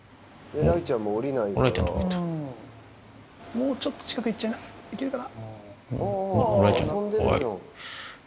もうちょっと近く行っちゃいな行けるかな？